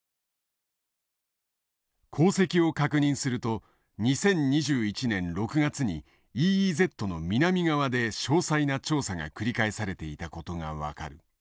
航跡を確認すると２０２１年６月にＥＥＺの南側で詳細な調査が繰り返されていたことが分かる。